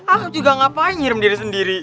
aku juga ngapain ngirim diri sendiri